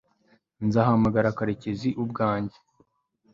nzahamagara karekezi ubwanjye